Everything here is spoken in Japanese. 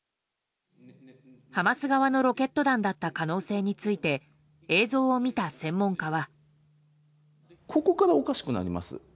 ハマス側のロケット弾だった可能性について映像を見た専門家は。